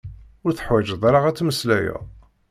Ur teḥwaǧeḍ ara ad tmeslayeḍ.